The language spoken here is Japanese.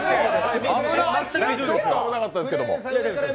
ちょっと危なかったですけども。